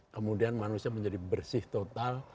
kemudian manusia menjadi bersih total